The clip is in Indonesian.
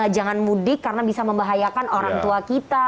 jangan mudik karena bisa membahayakan orang tua kita